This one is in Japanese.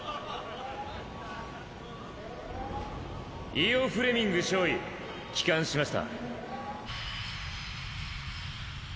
イオ・フレミング少尉帰還しました。